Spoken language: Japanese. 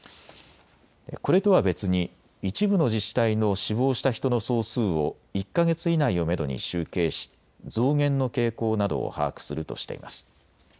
これとは別に一部の自治体の死亡した人の総数を１か月以内をめどに集計し増減の傾向などを把握するとしています。